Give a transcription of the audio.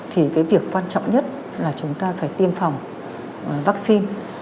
thì cái việc quan trọng nhất là chúng ta phải tiêm phòng vaccine